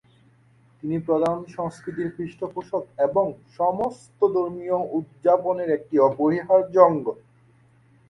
তিনি প্রধান সাংস্কৃতিক পৃষ্ঠপোষক এবং সমস্ত ধর্মীয় উদযাপনের একটি অপরিহার্য অঙ্গ।